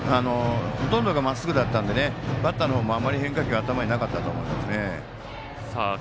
ほとんどが、まっすぐだったのでバッターのほう、あまり変化球頭になかったと思いますね。